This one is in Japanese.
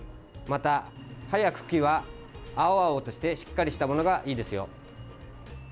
また、葉や茎は青々としてしっかりしたものがいいですよ。